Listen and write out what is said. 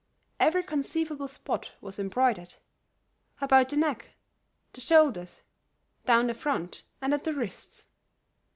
Every conceivable spot was embroidered; about the neck, the shoulders, down the front and at the wrists.